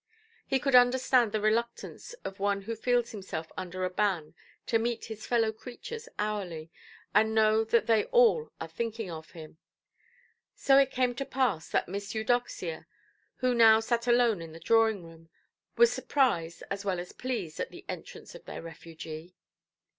He could understand the reluctance of one who feels himself under a ban to meet his fellow–creatures hourly, and know that they all are thinking of him. So it came to pass that Miss Eudoxia, who now sat alone in the drawing–room, was surprised as well as pleased at the entrance of their refugee.